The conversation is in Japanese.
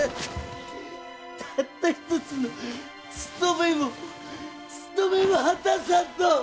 たった一つのつとめもつとめも果たさんと！